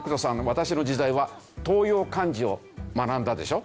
私の時代は当用漢字を学んだでしょ？